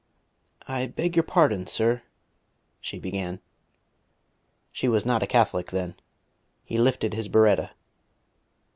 "I beg your pardon, sir," she began. She was not a Catholic then. He lifted his biretta.